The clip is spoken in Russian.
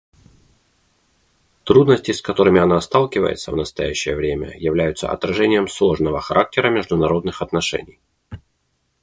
Трудности, с которыми она сталкивается в настоящее время, являются отражением сложного характера международных отношений.